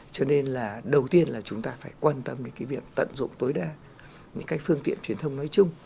cho nên là đầu tiên là chúng ta phải quan tâm đến cái việc tận dụng tối đa những cái phương tiện truyền thông nói chung